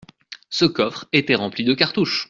Ce coffre était rempli de cartouches.